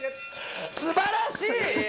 すばらしい！